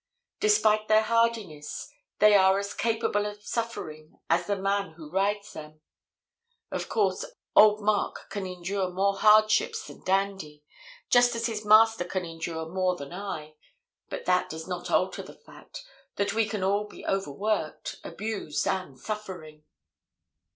Despite their hardiness, they are as capable of suffering as the man who rides them. Of course, old Mark can endure more hardships than Dandy, just as his master can endure more than I, but that does not alter the fact that we can all be overworked, abused and suffering.